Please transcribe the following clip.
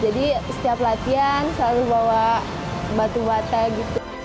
jadi setiap latihan selalu bawa batu bata gitu